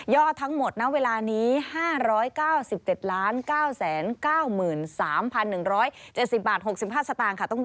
ยอดทั้งหมดเวลานี้๕๙๗๙๙๓๑๗๐บาท๖๕สตางค์